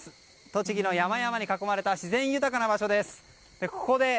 栃木の山々に囲まれた自然豊かな場所です。